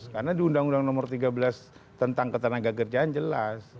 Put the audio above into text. karena di undang undang nomor tiga belas tentang ketenagaan kerjaan jelas